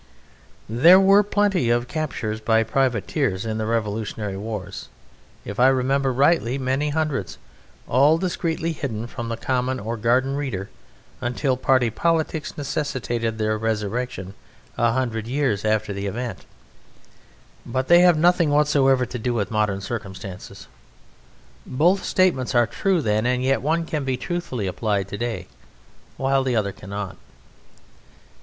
There were plenty of captures by privateers in the Revolutionary Wars; if I remember rightly, many many hundreds, all discreetly hidden from the common or garden reader until party politics necessitated their resurrection a hundred years after the event, but they have nothing whatsoever to do with modern circumstances. Both statements are true then, and yet one can be truthfully applied today, while the other cannot.